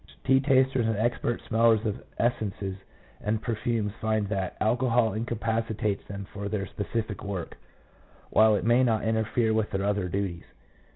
Tea tasters and expert smellers of essences and perfumes find that alcohol incapacitates them for their specific work, while it may not interfere with their other duties.